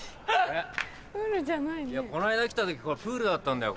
この間来た時プールだったんだよ